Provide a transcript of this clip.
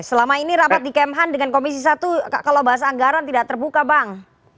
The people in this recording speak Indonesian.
selama ini rapat di kemhan dengan komisi satu kalau bahas anggaran tidak terbuka bang